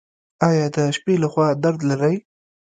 ایا د شپې لخوا درد لرئ؟